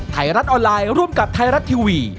ไทยรัฐออนไลน์ร่วมกับไทยรัฐทีวี